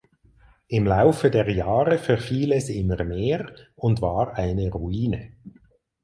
Im Laufe der Jahre verfiel es immer mehr und war eine Ruine.